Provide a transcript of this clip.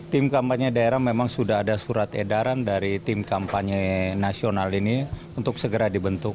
tim kampanye daerah memang sudah ada surat edaran dari tim kampanye nasional ini untuk segera dibentuk